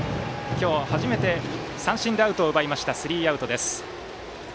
今日初めて三振でアウトを奪ってスリーアウト。